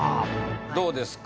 どうですか？